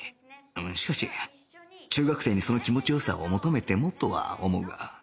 しかし中学生にその気持ち良さを求めてもとは思うが